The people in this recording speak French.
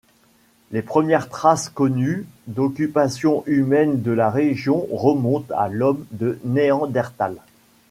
Les premières traces connues d'occupation humaine de la région remontent à l'Homme de Néandertal.